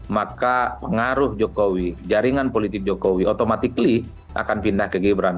maka pengaruh jokowi jaringan politik jokowi otomatis akan pindah ke gibran